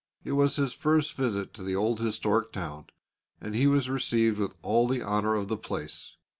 It was his first visit to the old historic town, and he was received with all the honour of the place.